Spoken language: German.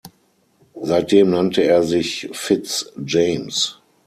Seitdem nannte er sich Fitz James.